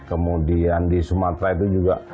kemudian di sumatera itu juga